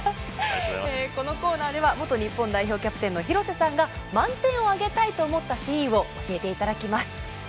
このコーナーでは元日本代表キャプテンの廣瀬さんが満点をあげたいと思ったシーンを教えていただきます。